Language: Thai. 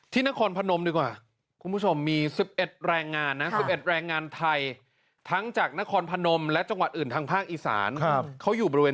นครพนมดีกว่าคุณผู้ชมมี๑๑แรงงานนะ๑๑แรงงานไทยทั้งจากนครพนมและจังหวัดอื่นทางภาคอีสานเขาอยู่บริเวณ